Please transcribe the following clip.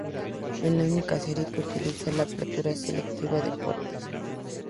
Es la única serie que utiliza la apertura selectiva de puertas.